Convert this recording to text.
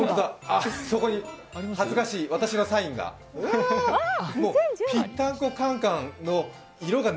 あ、そこに、恥ずかしい、私のサインが。